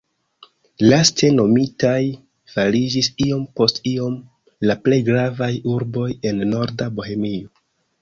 Laste nomitaj fariĝis iom post iom la plej gravaj urboj en norda Bohemio.